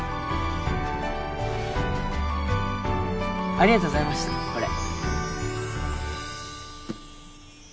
ありがとうございましたこれ。